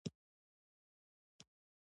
احمد مڼې ټوټل خرڅې کړلې.